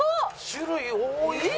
種類多い。